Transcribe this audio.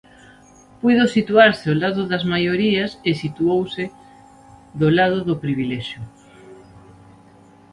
Puido situarse do lado das maiorías e situouse do lado do privilexio.